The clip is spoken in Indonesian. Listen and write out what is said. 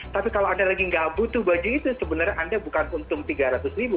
tapi kalau anda lagi nggak butuh baju itu sebenarnya anda bukan untung tiga ratus ribu